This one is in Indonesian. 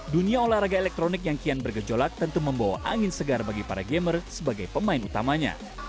dunia olahraga elektronik yang kian bergejolak tentu membawa angin segar bagi para gamer sebagai pemain utamanya